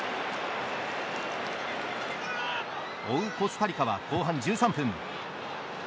追うコスタリカは後半１３分。